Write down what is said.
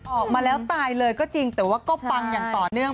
ออกมาแล้วตายเลยก็จริงแต่ว่าก็ปังอย่างต่อเนื่อง